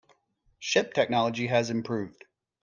Ship technology has improved.